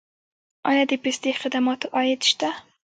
آیا د پستي خدماتو عاید شته؟